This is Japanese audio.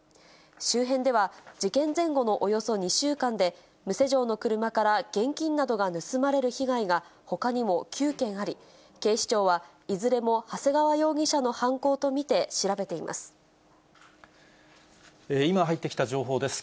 周辺では、事件前後のおよそ２週間で、無施錠の車から現金などが盗まれる被害がほかにも９件あり、警視庁はいずれも長谷川容疑者の今、入ってきた情報です。